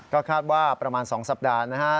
ก็คาดว่าประมาณ๒สัปดาห์นะฮะ